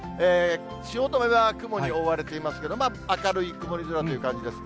汐留は雲に覆われていますけれども、まあ、明るい曇り空という感じです。